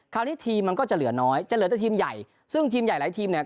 คราวนี้ทีมมันก็จะเหลือน้อยจะเหลือแต่ทีมใหญ่ซึ่งทีมใหญ่หลายทีมเนี่ย